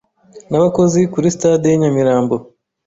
n’abakozi, kuri stade y’i Nyamirambo